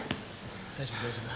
大丈夫大丈夫。